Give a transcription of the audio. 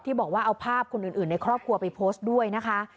บอกว่าเอาภาพคนอื่นในครอบครัวไปโพสต์ด้วยนะคะ